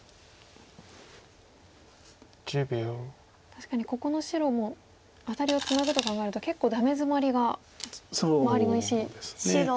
確かにここの白もアタリをツナぐと考えると結構ダメヅマリが周りの石すごいんですね。